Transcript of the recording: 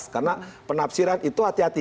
karena penafsiran itu hati hati